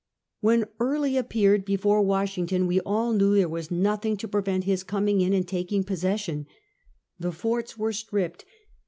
"When Early appeared before Washiugton, we all knew there was nothing to prevent his coming in and taking possession. The forts were stripped.